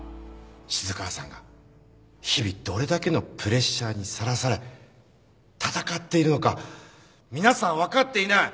静川さんが日々どれだけのプレッシャーにさらされ闘っているのか皆さん分かっていない。